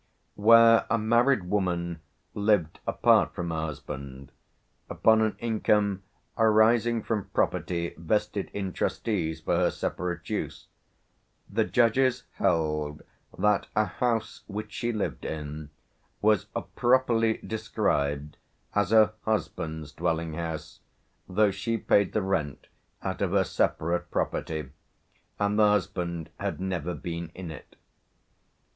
"Where a married woman lived apart from her husband, upon an income arising from property vested in trustees for her separate use, the judges held that a house which she lived in was properly described as her husband's dwelling house, though she paid the rent out of her separate property, and the husband had never been in it.